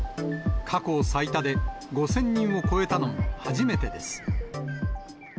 過去最多で、５０００人を超えたのは初めてです。